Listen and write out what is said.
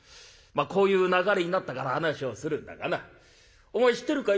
こういう流れになったから話をするんだがなお前知ってるかい？